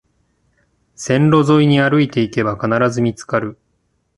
線路沿いに歩いていけば必ず見つかる